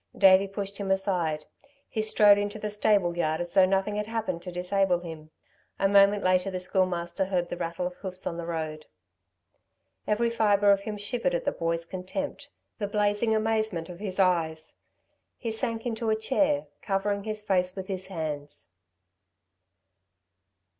Davey pushed him aside. He strode into the stable yard as though nothing had happened to disable him. A moment later the Schoolmaster heard the rattle of hoofs on the road. Every fibre of him shivered at the boy's contempt, the blazing amazement of his eyes. He sank into a chair, covering his face with his hands.